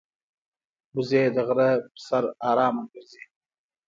وزې د غره پر سر آرامه ګرځي